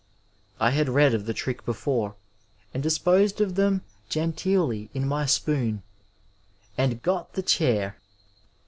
I had read of the trick before and disposed of them genteelly in my spoon— and got the Chair